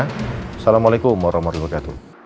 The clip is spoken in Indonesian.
assalamualaikum warahmatullahi wabarakatuh